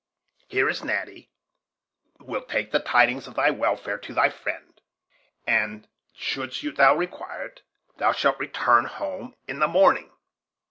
Here is Natty will take the tidings of thy welfare to thy friend; and shouldst thou require it, thou shalt return home in the morning."